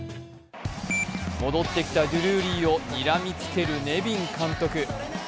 戻ってきたデュルーリーをにらみつけるネビン監督。